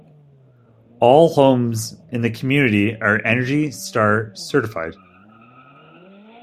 All homes in the community are Energy Star certified.